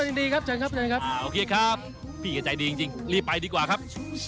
โอเคฮครับพี่ก็ใจดีจริงลีบไปดีกว่าครับ